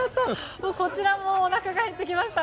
こちらもおなかが減ってきました。